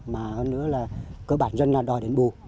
mà hơn nữa là cơ bản dân là đòi đền bù